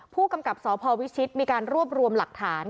ผู้กำกับสพวิชิตมีการรวบรวมหลักฐาน